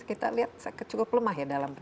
kita lihat cukup lemah ya dalam penegakan ini